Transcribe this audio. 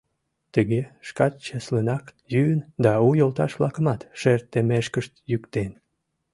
Тыге шкат чеслынак йӱын да у йолташ-влакымат шер теммешкышт йӱктен.